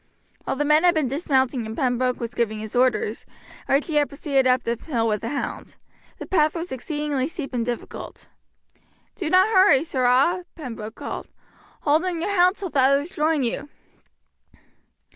While the men had been dismounting and Pembroke was giving his orders Archie had proceeded up the hill with the hound. The path was exceedingly steep and difficult. "Do not hurry, sirrah," Pembroke called; "hold in your hound till the others join you."